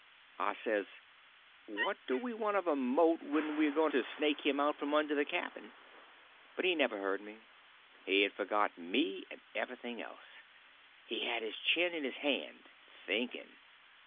I says: "What do we want of a moat when we're going to snake him out from under the cabin?" But he never heard me. He had forgot me and everything else. He had his chin in his hand, thinking.